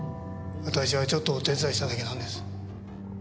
私はちょっとお手伝いしただけなんです。